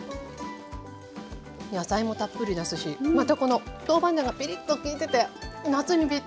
野菜もたっぷりですしまたこの豆板がピリッときいてて夏にぴったりですね。